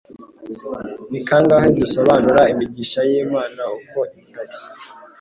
Ni kangahe dusobanura imigisha y'Imana uko itari,